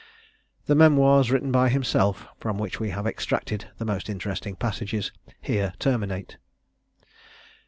The "Memoirs written by himself," from which we have extracted the most interesting passages, here terminate.